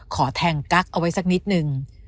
ขอแทงกั๊กเอาไว้สักนิดนึง